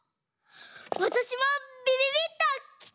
わたしもびびびっときた！